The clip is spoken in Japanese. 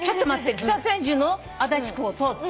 北千住の足立区を通って？